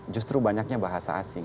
justru banyaknya bahasa asing